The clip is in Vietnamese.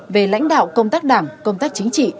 về lãnh đạo công tác đảng công tác chính trị